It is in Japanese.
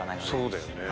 そうだよね。